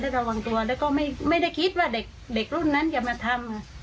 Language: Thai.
เพราะว่าเรามันอายุต่างแปลกกันของลูกเขา